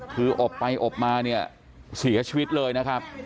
คืออบไปอบมาเสียชวิตเลยนะครับ